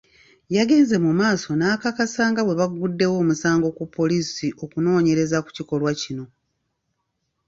Yagenze mu maaso n'akakasa nga bwe bagguddewo omusango ku poliisi okunoonyereza ku kikolwa kino.